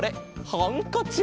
ハンカチ。